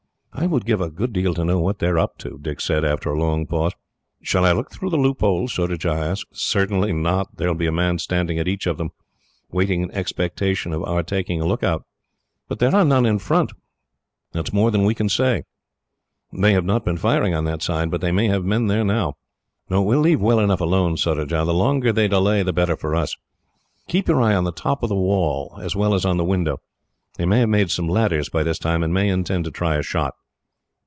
"I would give a good deal to know what they are up to," Dick said, after a long pause. "Shall I look through the loophole?" Surajah asked. "Certainly not. There will be a man standing at each of them, waiting in expectation of our taking a look out." "But there are none in front," Surajah said. "That is more than we can say. They have not been firing on that side, but they may have men there now. No, we will leave well alone, Surajah. The longer they delay, the better for us. "Keep your eye on the top of the wall, as well as on the window. They may have made some ladders by this time, and may intend to try a shot."